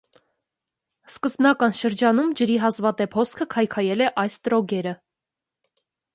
Սկզբնական շրջանում ջրի հազվադեպ հոսքը քայքայել է այս տրոգերը։